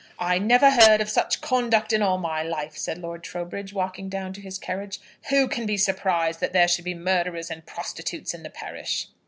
"I never heard of such conduct in all my life," said Lord Trowbridge, walking down to his carriage. "Who can be surprised that there should be murderers and prostitutes in the parish?"